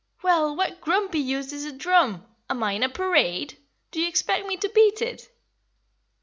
"Well, what grumpy use is a drum? Am I in a parade? Do you expect me to beat it?"